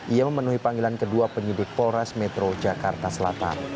ia memenuhi panggilan kedua penyidik polres metro jakarta selatan